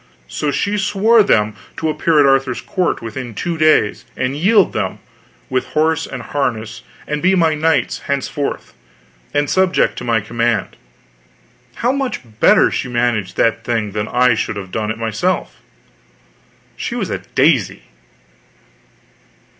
So she swore them to appear at Arthur's court within two days and yield them, with horse and harness, and be my knights henceforth, and subject to my command. How much better she managed that thing than I should have done it myself! She was a daisy.